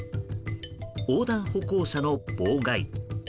横断歩行者の妨害。